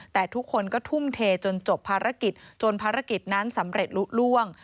แต่ทุกคนก็ทุ่มเทจนจบภารกิจจนภารกิจนั้นสำเร็จลุล่วง